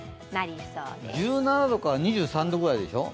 １７度から２３度ぐらいでしょう